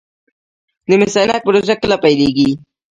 د مس عینک پروژه کله پیلیږي؟